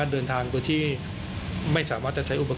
การเดินทางไปรับน้องมินครั้งนี้ทางโรงพยาบาลเวทธานีไม่มีการคิดค่าใช้จ่ายใด